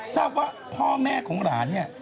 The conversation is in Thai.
ทราบว่าพ่อแม่ของหลานเนี่ย